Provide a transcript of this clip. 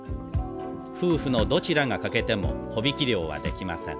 夫婦のどちらが欠けても帆引き漁はできません。